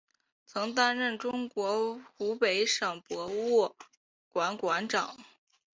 曾担任中国湖北省博物馆馆长。